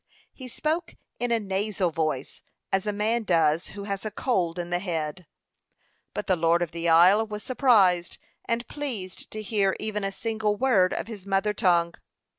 He spoke in a nasal voice, as a man does who has a cold in the head; but the lord of the isle was surprised and pleased to hear even a single word of his mother tongue.